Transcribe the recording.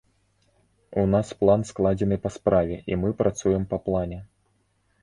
У нас план складзены па справе, і мы працуем па плане.